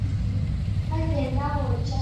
福斯特尔离开苹果多年后没有公开露面。